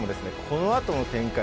このあとの展開